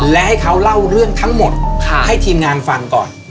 และให้เขาเล่าเรื่องทั้งหมดให้ทีมงานฟังก่อน